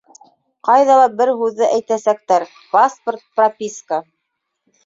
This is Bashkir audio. Ҡайҙа ла бер һүҙҙе әйтәсәктәр: паспорт, прописка.